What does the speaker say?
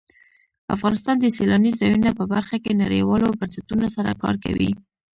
افغانستان د سیلانی ځایونه په برخه کې نړیوالو بنسټونو سره کار کوي.